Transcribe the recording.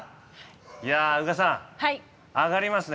いや宇賀さんアガりますね